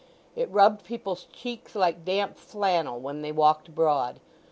It rubbed people's cheeks like damp flannel when they walked abroad.